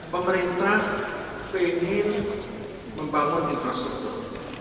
pemerintah ingin membangun infrastruktur